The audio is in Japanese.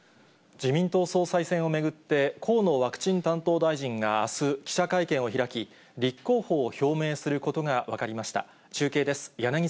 自民党総裁選を巡って、河野ワクチン担当大臣があす、記者会見を開き、立候補を表明することが分かりました。